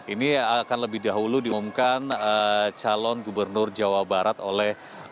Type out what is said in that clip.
ini akan lebih dahulu diumumkan calon gubernur jawa barat oleh